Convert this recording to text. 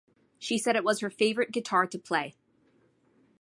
She said it was her favourite guitar to play.